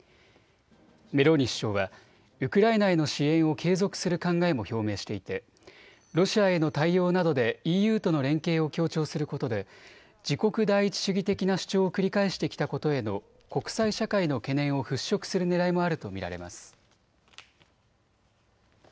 メローニ首相はウクライナへの支援を継続する考えも表明していてロシアへの対応などでＥＵとの連携を強調することで自国第一主義的な主張を繰り返してきたことへの国際社会の懸念を払拭するねらいもあると見られます。